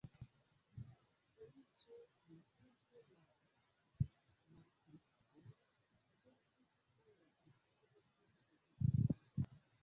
Feliĉe nuntempe la malpliigo ĉesis kaj la specio estas protektita.